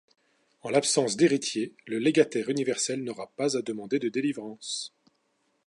En l'absence d'héritier, le légataire universel n'aura pas à demander de délivrance.